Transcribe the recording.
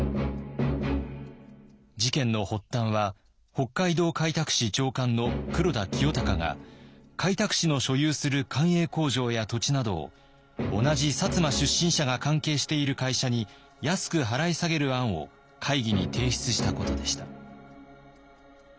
事件の発端は北海道開拓使長官の黒田清隆が開拓使の所有する官営工場や土地などを同じ摩出身者が関係している会社に安く払い下げる案を会議に提出したことでした。